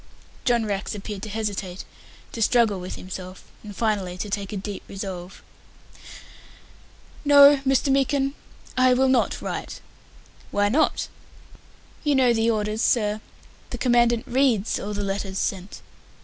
John Rex appeared to hesitate, to struggle with himself, and finally to take a deep resolve. "No, Mr. Meekin, I will not write." "Why not?" "You know the orders, sir the Commandant reads all the letters sent.